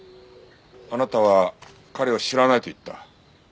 あなたは彼を知らないと言った。